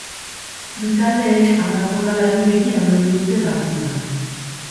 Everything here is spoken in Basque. Bi taldeek hamar jokalarirekin amaitu dute partida.